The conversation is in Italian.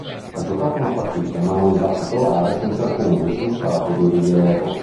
Ha giocato una partita, ma non da titolare senza alcun risultato di rilievo.